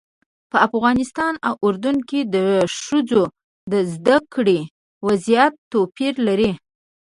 په افغانستان او اردن کې د ښځو د زده کړې وضعیت توپیر لري.